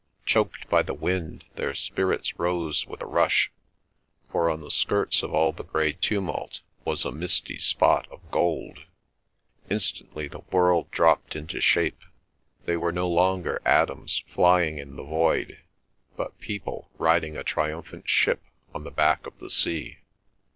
Choked by the wind their spirits rose with a rush, for on the skirts of all the grey tumult was a misty spot of gold. Instantly the world dropped into shape; they were no longer atoms flying in the void, but people riding a triumphant ship on the back of the sea.